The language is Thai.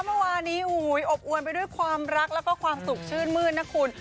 เมื่อวานนี้อบอวนไปด้วยความรักแล้วก็ความสุขชื่นมืดนะคุณ